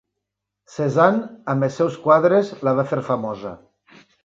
Cézanne, amb els seus quadres, la va fer famosa.